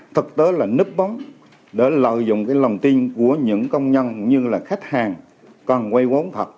thực tế là nứt bóng để lợi dụng cái lòng tin của những công nhân như là khách hàng còn quay bóng thật